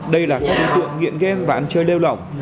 đây là các đối tượng nghiện gam và ăn chơi lêu lỏng